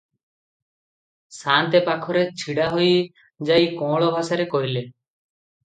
ସାନ୍ତେ ପାଖରେ ଛିଡ଼ାହୋଇ ଯାଇ କଅଁଳ ଭାଷାରେ କହିଲେ